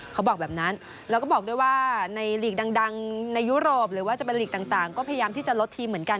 เขาบอกแบบนั้นแล้วก็บอกด้วยว่าในลีกดังในยุโรปหรือว่าจะเป็นลีกต่างก็พยายามที่จะลดทีมเหมือนกัน